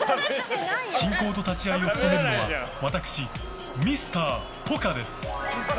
進行と立ち合いを務めるのは私、ミスター・ポカです。